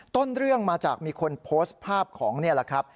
ต้นเรื่องมาจากมีคนโพสต์ภาพของนี่แหละครับ